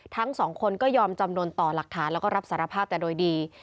ทั้งสองคนก็ยอมจำนวนต่อหลักฐานแล้วก็รับสารภาพแต่โดยดี